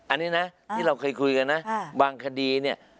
อันนี้นะที่เราเคยคุยกันนะบางคดีเนี่ย